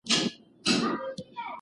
تعلیم د زوی د خوشحالۍ لامل ګرځي.